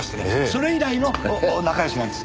それ以来の仲良しなんです。